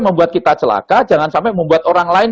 membuat kita celaka jangan sampai membuat orang lain